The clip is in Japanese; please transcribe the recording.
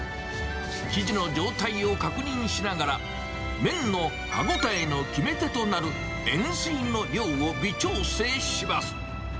生地の状態を確認しながら、麺の歯応えの決め手となる塩水の量を微調整します。